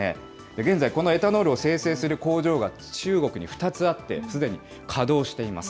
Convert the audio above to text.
現在、このエタノールを精製する工場が中国に２つあって、すでに稼働しています。